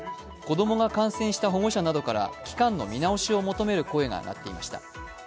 子供が感染した保護者などから期間の見直しを求める声が上がっていました。